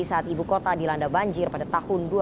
saat ibu kota dilanda banjir pada tahun dua ribu